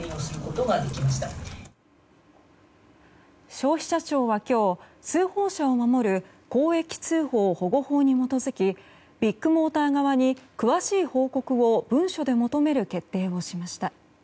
消費者庁は今日通報者を守る公益通報保護法に基づきビッグモーター側に詳しい報告を文書で求める決定をしました。